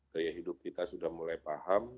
gaya hidup kita sudah mulai paham